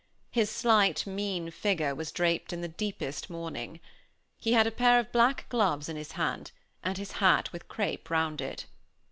His slight, mean figure was draped in the deepest mourning. He had a pair of black gloves in his hand, and his hat with crape round it.